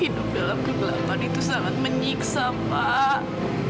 hidup dalam kegelapan itu sangat menyiksa pak